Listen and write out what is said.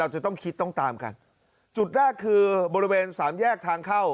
จะต้องคิดต้องตามกันจุดแรกคือบริเวณสามแยกทางเข้า